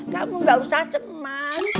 kamu gak usah ceman